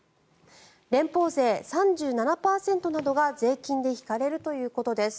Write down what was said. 連邦税３７％などが税金で引かれるということです。